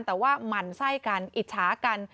แต่ว่าหมั่นไส้กันอิจฉากัน